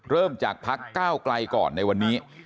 เริ่มจากพักก้าวไกลก่อนในวันนี้